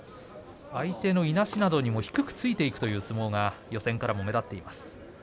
相手のいなしなどにも低くついていくという相撲が予選から目立っています。